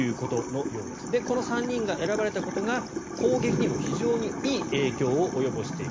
この３人が選ばれたことが攻撃にも非常にいい影響を及ぼしている。